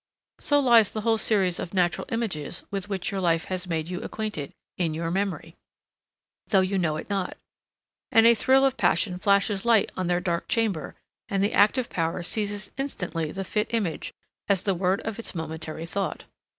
So lies the whole series of natural images with which your life has made you acquainted, in your memory, though you know it not; and a thrill of passion flashes light on their dark chamber, and the active power seizes instantly the fit image, as the word of its momentary thought.